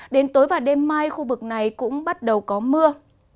đến tối và đêm mai khu vực này cũng bắt đầu có mưa